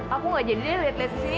aku gak jadi deh liat liat kesini